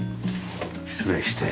失礼して。